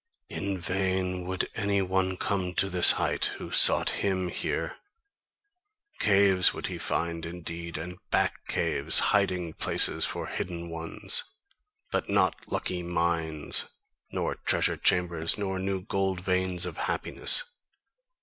In vain would any one come to this height who sought HIM here: caves would he find, indeed, and back caves, hiding places for hidden ones; but not lucky mines, nor treasure chambers, nor new gold veins of happiness.